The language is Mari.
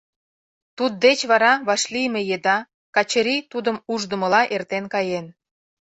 Туддеч вара вашлийме еда Качырий тудым уждымыла эртен каен.